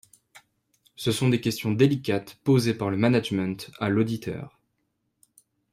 Ce sont des questions délicates posées par le management à l'auditeur.